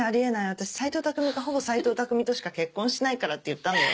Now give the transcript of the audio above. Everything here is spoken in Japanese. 私斎藤工かほぼ斎藤工としか結婚しないから」って言ったんだよ。